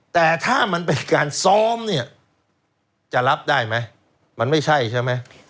แต่ถ้ามันเป็นการซ้อมเนี่ยจะรับได้ไหมมันไม่ใช่ใช่ไหม